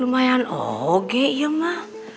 lumayan ogek ya mah